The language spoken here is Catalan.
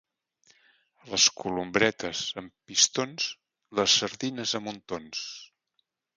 A les Columbretes amb pistons, les sardines a muntons.